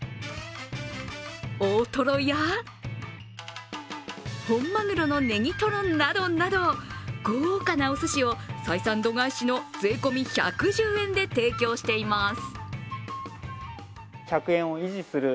大トロや本まぐろのねぎとろなどなど豪華なおすしを採算度外視の税込み１１０円で提供しています。